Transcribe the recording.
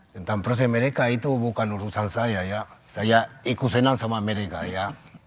tentang proses amerika itu bukan urusan saya ya saya ikut senang sama amerika ya